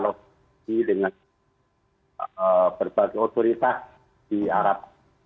terus melakukan pembicaraan dengan berbagai otoritas di arab